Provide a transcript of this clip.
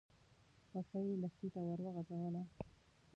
پښه يې لښتي ته ور وغځوله.